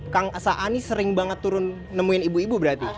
kang saani sering banget turun nemuin ibu ibu berarti